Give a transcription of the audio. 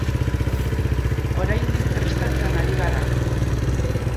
Oraindik prestatzen ari gara.